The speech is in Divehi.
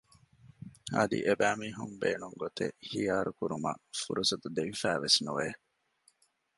އަދި އެބައިމީހުން ބޭނުންގޮތެއް ޚިޔާރުކުރުމަށް ފުރުސަތު ދެވިފައިވެސް ނުވެ